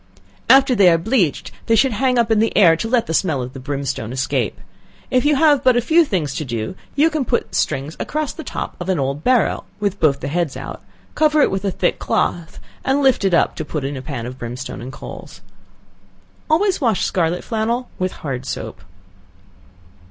After they are bleached, they should hang up in the air to let the smell of the brimstone escape. If you have but a few things to do, you can put strings across the top of an old barrel, (with both the heads out,) cover it with a thick cloth, and lift it up to put in a pan of brimstone and coals. Always wash scarlet flannel with hard soap.